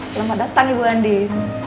selamat datang ibu andin